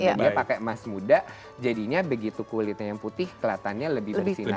jadi dia pakai emas muda jadinya begitu kulitnya yang putih kelihatannya lebih bersinar lagi